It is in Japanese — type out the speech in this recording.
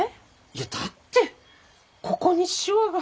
いやだってここにしわが。